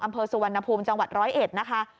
อำเภอสุวรรณภูมิจังหวัดร้อยเอ็ดนะคะ